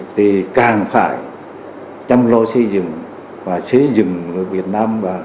thì càng phải chăm lo xây dựng và xây dựng việt nam